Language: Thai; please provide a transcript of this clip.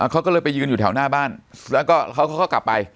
เขาก็เลยไปยืนอยู่แถวหน้าบ้านแล้วก็เขาก็กลับไป